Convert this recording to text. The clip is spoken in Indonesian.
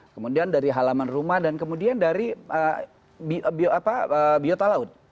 kemudian dari halaman rumah dan kemudian dari biota laut